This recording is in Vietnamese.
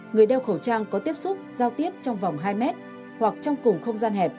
người đeo khẩu trang có tiếp xúc giao tiếp trong vòng hai mét hoặc trong cùng không gian hẹp